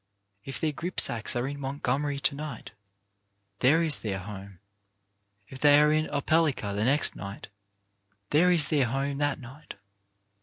If their gripsacks are in Montgomery to night, there is their home. If they are in Opelika the next night, there is their home that night.